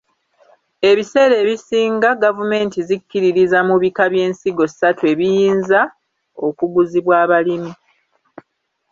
Ebiseera ebisinga gavumenti zikkiririza mu bika by’ensigo ssatu ebiyinza okuguzibwa abalimi.